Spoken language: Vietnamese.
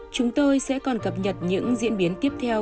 chúng tôi sẽ còn cập nhật những diễn biến tiếp theo